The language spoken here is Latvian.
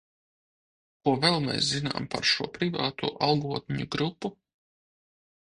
Ko vēl mēs zinām par šo privāto algotņu grupu?